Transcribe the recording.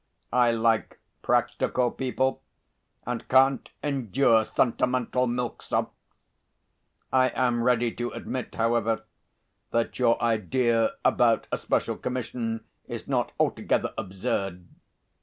"I like practical people, and can't endure sentimental milk sops. I am ready to admit, however, that your idea about a special commission is not altogether absurd.